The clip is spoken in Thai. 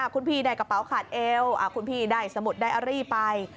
คุณพี่ได้กระเป๋าขาดเอวคุณพี่ได้สมุดได้อารี่ไป